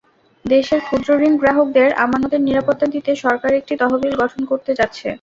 দেশের ক্ষুদ্রঋণ গ্রাহকদের আমানতের নিরাপত্তা দিতে সরকার একটি তহবিল গঠন করতে যাচ্ছে।